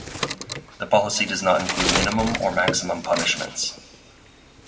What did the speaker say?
The policy does not include minimum or maximum punishments.